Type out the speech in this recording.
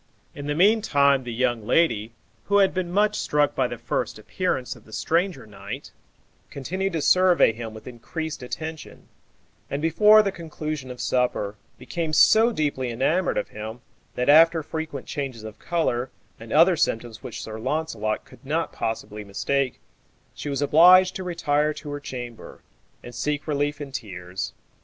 In the meantime the young lady, who had been much struck by the first appearance of the stranger knight, continued to survey him with increased attention, and, before the conclusion of supper, became so deeply enamoured of him, that after frequent changes of color, and other symptoms which Sir Launcelot could not possibly mistake, she was obliged to retire to her chamber, and seek relief in tears.